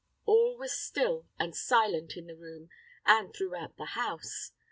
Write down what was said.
All was still and silent in the room and throughout the house.